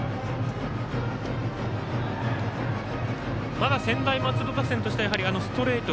まだ専大松戸打線としてはストレート